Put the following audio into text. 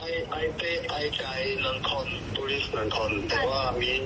แต่ว่ามีสองคนขึ้นไปขึ้นมา